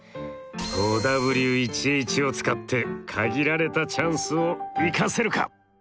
５Ｗ１Ｈを使って限られたチャンスを生かせるか！？